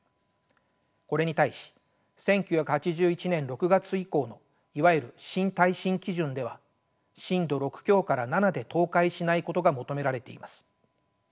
これに対し１９８１年６月以降のいわゆる新耐震基準では震度６強から７で倒壊しないことが求められています。